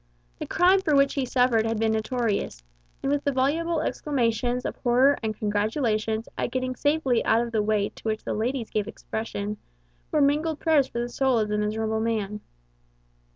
The crime for which he suffered had been notorious; and with the voluble exclamations of horror and congratulations at getting safely out of the way to which the ladies gave expression, were mingled prayers for the soul of the miserable man.